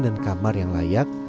dan kamar yang layak